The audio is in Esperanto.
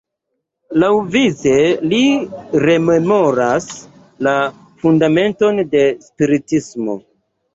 Laŭvice li rememoras la fundamenton de Spiritismo.